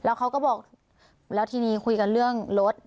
เขาก็บอกแล้วทีนี้คุยกันเรื่องรถ